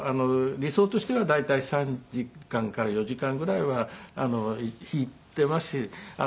理想としては大体３時間から４時間ぐらいは弾いていますし。